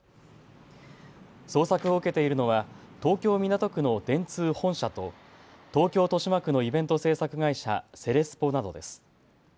捜索を受けているのは東京港区の電通本社と東京豊島区のイベント制作会社、セレスポなどです。